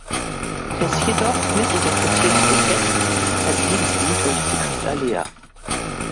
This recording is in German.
Tess jedoch missinterpretiert den Text als Liebeslied und sie küsst Alea.